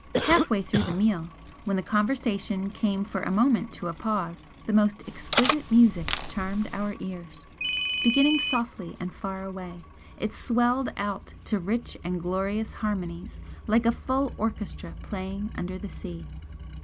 Half way through the meal, when the conversation came for a moment to a pause, the most exquisite music charmed our ears beginning softly and far away, it swelled out to rich and glorious harmonies like a full orchestra playing under the sea.